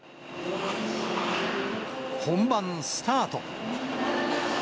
本番スタート。